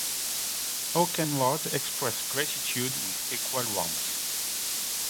How can words express gratitude with equal warmth?